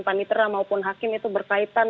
panitera maupun hakim itu berkaitan